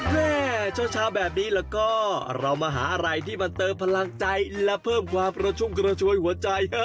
แม่เช้าแบบนี้แล้วก็เรามาหาอะไรที่มันเติมพลังใจและเพิ่มความกระชุ่มกระชวยหัวใจ